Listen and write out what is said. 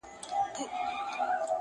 گيدړي تې ويل، شاهد دي څوک دئ، ول لکۍ مي.